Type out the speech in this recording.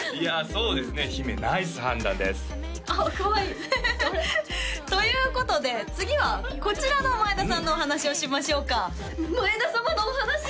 そうですね姫ナイス判断ですあっかわいいこれということで次はこちらの前田さんのお話をしましょうか前田様のお話！？